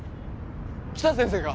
北先生が？